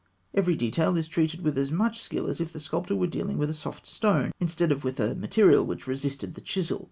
Every detail is treated with as much skill as if the sculptor were dealing with a soft stone instead of with a material which resisted the chisel.